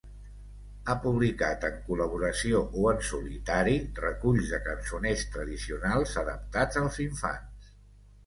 Ha publicat, en col·laboració o en solitari, reculls de cançoners tradicionals adaptats als infants.